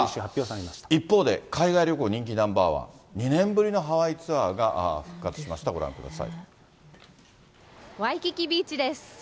一方で、海外旅行人気ナンバー１、２年ぶりのハワイツアーが復活しました、ワイキキビーチです。